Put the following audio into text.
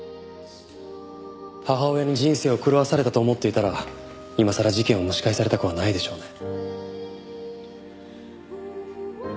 母親に人生を狂わされたと思っていたら今さら事件を蒸し返されたくはないでしょうね。